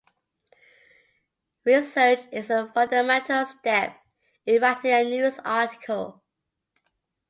Research is a fundamental step in writing a news article.